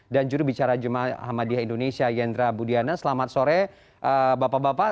dan juru bicara jemaah ahmadiyah indonesia yendra budiana selamat sore bapak bapak